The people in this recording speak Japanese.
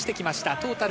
トータル